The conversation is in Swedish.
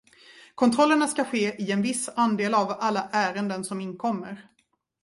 Kontrollerna ska ske i en viss andel av alla ärenden som inkommer.